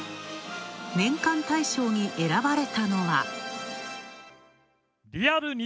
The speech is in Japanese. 年間大賞に選ばれたのは。